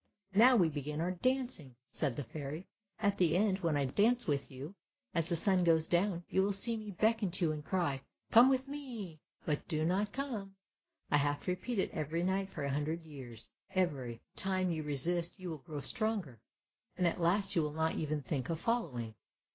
"Now we begin our dancing!" said the Fairy; "at the end when I dance with you, as the sun goes down you will see me beckon to you and cry ' Come with me '; but do not come. I have to repeat it every night for a hundred years. Every 168 ANDERSEN'S FAIRY TALES time your resist, you will grow stronger, and at last you will not even think of following.